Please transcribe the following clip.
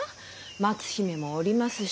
松姫もおりますし。